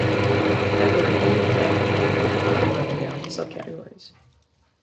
Category E and F claims were further broken down to subcategories.